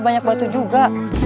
banyak batu juga